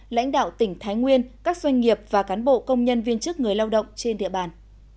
lãnh đạo tỉnh thái nguyên các doanh nghiệp và cán bộ công nhân viên chức người lao động trên địa bàn